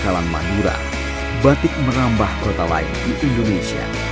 di kawasan jalan madura batik merambah kota lain di indonesia